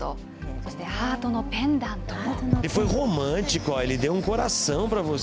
そしてハートのペンダントも。